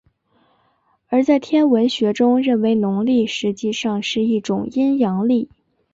而在天文学中认为农历实际上是一种阴阳历。